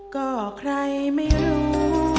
ก็ใครไม่รู้